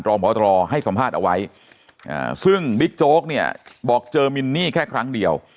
พบตรให้สัมภาษณ์เอาไว้ซึ่งบิ๊กโจ๊กเนี่ยบอกเจอมินนี่แค่ครั้งเดียว